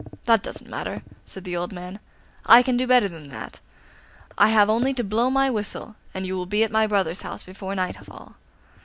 'That doesn't matter,' said the old man; 'I can do better than that. I have only to blow my whistle and you will be at my brother's house before nightfall.